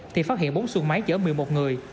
thì phát hiện bốn xuồng máy chở một mươi một người